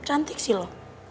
cantik sih lo